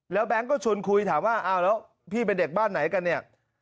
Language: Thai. แล้วแก๊งก็ชวนคุยถามว่าอ้าวแล้วพี่เป็นเด็กบ้านไหนกันเนี่ย